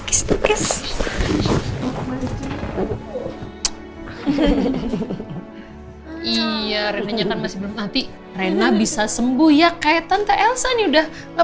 iya renyah kan masih berhenti rena bisa sembuh ya kayak tante elsa nih udah enggak